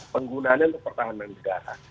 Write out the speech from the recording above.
penggunaannya untuk pertahanan negara